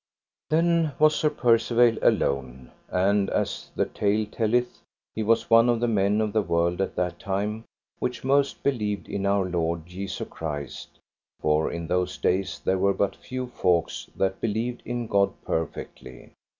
Then was Sir Percivale alone. And as the tale telleth, he was one of the men of the world at that time which most believed in Our Lord Jesu Christ, for in those days there were but few folks that believed in God perfectly.